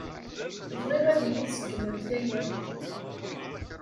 Bɣiɣ ad iyi-tṣeggmemt aya.